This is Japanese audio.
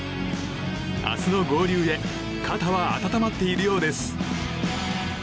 明日の合流へ肩は温まっているようです。